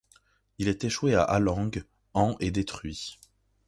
Il est échoué à Alang en et détruit.